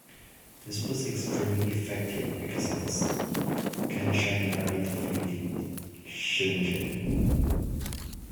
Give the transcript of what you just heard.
This was extremely effective and because of this Kenshin nearly defeated Shingen.